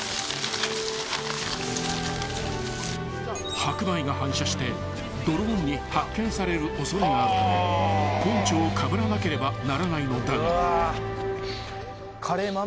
［白米が反射してドローンに発見される恐れがあるためポンチョをかぶらなければならないのだが］